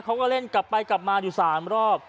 เขาก็เล่นกลับไปกลับมาอยู่๓รอบ